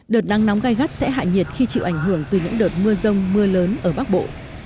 đợt nắng nóng gai gắt sẽ hạ nhiệt khi chịu ảnh hưởng từ những đợt mưa rông mưa lớn ở bắc bộ